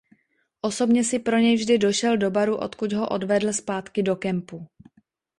Osobně si pro něj vždy došel do baru odkud ho odvedl zpátky do kempu.